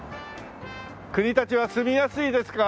国立は住みやすいですか？